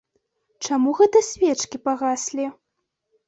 Чаму гэта свечкі пагаслі?